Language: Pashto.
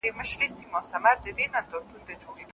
زه مرکز د دایرې یم زه هم کُل یم هم ا جزا یم